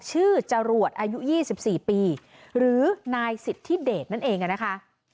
จรวดอายุ๒๔ปีหรือนายสิทธิเดชนั่นเองนะคะ